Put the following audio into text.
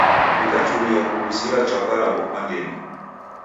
W'ikachuria kuw'usira chwaka raw'o kwa ngemi.